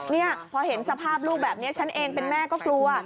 นี่พอเห็นสภาพลูกแบบนี้ฉันเองเป็นแม่ก็กลัว